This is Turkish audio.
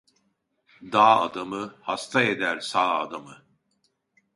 Dağ adamı! Hasta eder sağ adamı.